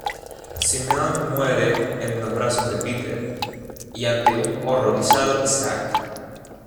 Simone muere en los brazos de Peter y ante un horrorizado Isaac.